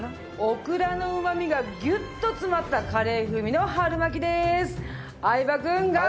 オクラのうまみがギュッと詰まったカレー風味の春巻きです。